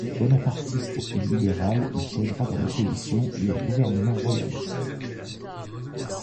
Bonapartiste et libéral il siègera dans l'opposition au gouvernement royaliste.